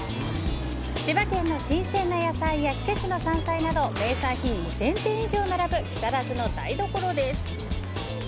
千葉県の新鮮な野菜や季節の山菜など名産品２０００点以上並ぶ木更津の台所です。